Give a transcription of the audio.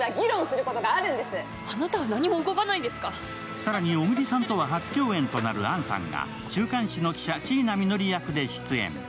更に小栗さんとは初共演となる杏さんが週刊誌の記者、椎名実梨役で出演。